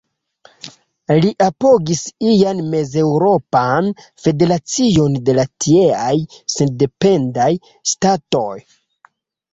Li apogis ian Mez-Eŭropan Federacion de la tieaj sendependaj ŝtatoj.